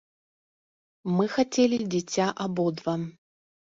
Мы хацелі дзіця абодва.